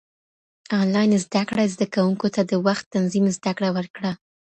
انلاين زده کړه زده کوونکو ته د وخت تنظيم زده کړه ورکړه.